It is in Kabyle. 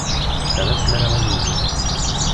Terra-t tmara ad yinig.